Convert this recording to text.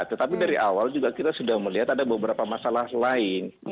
tetapi dari awal juga kita sudah melihat ada beberapa masalah lain